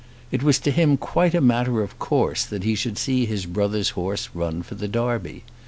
It was to him quite a matter of course that he should see his brother's horse run for the Derby.